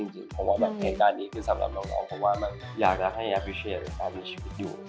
จริงเพราะว่าเพลงการนี้คือสำหรับน้องผมว่าอยากให้มีชีวิตอยู่